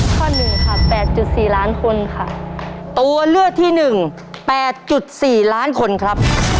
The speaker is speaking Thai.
พร้อมไหมคะ